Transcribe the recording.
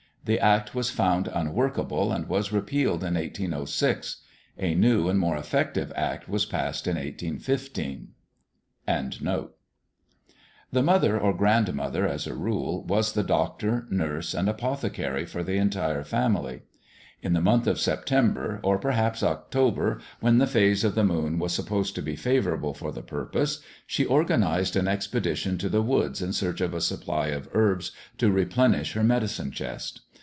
The Act was found unworkable and was repealed in 1806; a new and more effective Act was passed in 1815. The mother or grandmother, as a rule, was the doctor, nurse, and apothecary for the whole family. In the month of September, or perhaps October, when the phase of the moon was supposed to be favourable for the purpose, she organized an expedition to the woods in search of a supply of herbs to replenish her medicine chest.